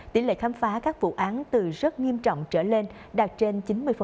tỷ lệ khám phá các vụ án từ rất nghiêm trọng trở lên đạt trên chín mươi